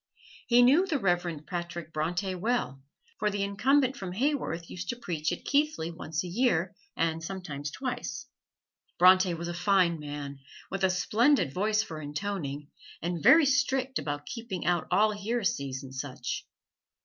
He knew the Reverend Patrick Bronte well, for the Incumbent from Haworth used to preach at Keighley once a year, and sometimes twice. Bronte was a fine man, with a splendid voice for intoning, and very strict about keeping out all heresies and such.